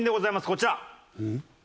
こちら。